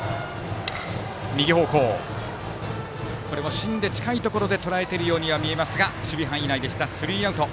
芯で近いところでとらえたように見えましたがライトの守備範囲内でスリーアウト。